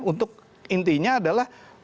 untuk intinya adalah